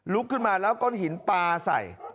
ลุกขึ้นมาแล้วก็หินปลาใส่